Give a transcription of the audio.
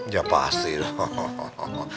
ya pasti dong